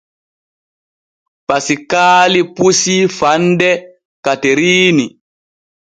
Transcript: Pasikaali pusii fande Kateriini.